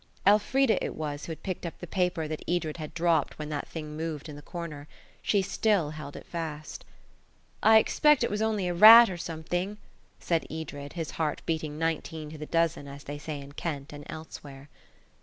Elfrida it was who had picked up the paper that Edred had dropped when that thing moved in the corner. She still held it fast. "I expect it was only a rat or something," said Edred, his heart beating nineteen to the dozen, as they say in Kent and elsewhere.